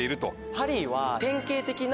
ハリーは。